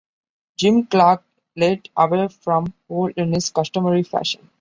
Jim Clark led away from pole in his customary fashion.